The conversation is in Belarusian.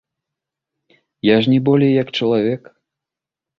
Я ж не болей як чалавек.